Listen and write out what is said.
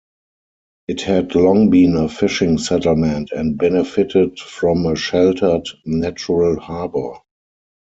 It had long been a fishing settlement and benefited from a sheltered natural harbour.